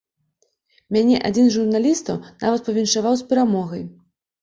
Мяне адзін з журналістаў нават павіншаваў з перамогай.